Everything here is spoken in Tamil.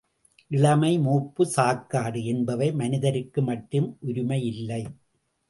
இளமை, மூப்பு, சாக்காடு என்பவை மனிதருக்கு மட்டும் உரிமையில்லை.